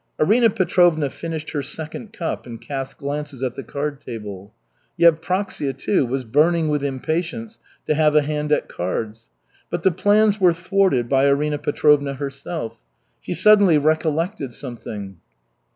Arina Petrovna finished her second cup and cast glances at the card table. Yevpraksia, too, was burning with impatience to have a hand at cards. But the plans were thwarted by Arina Petrovna herself. She suddenly recollected something.